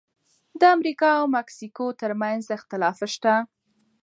د امریکا او مکسیکو ترمنځ اختلاف شته.